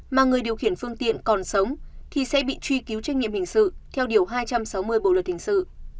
mà người điều khiển phương tiện còn sống thì sẽ bị truy cứu trách nhiệm hình sự theo điều hai trăm sáu mươi bộ luật hình sự